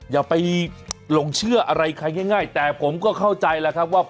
อย่าไปหลงเชื่ออะไรใครง่ายแต่ผมก็เข้าใจแล้วครับว่า